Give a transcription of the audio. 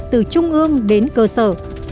từ trung ương đến cơ sở